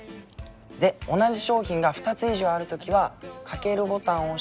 で同じ商品が２つ以上ある時はかけるボタンを押して。